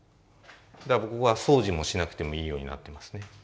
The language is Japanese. だからここは掃除もしなくてもいいようになってますね。